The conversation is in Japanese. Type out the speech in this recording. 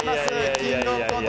「キングオブコント」